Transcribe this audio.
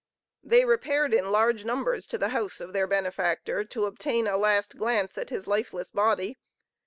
They repaired in large numbers to the house of their benefactor to obtain a last glance at his lifeless body.